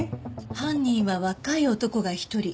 犯人は若い男が１人。